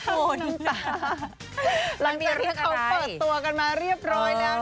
คุณจ๋าหลังจากที่เขาเปิดตัวกันมาเรียบร้อยแล้ว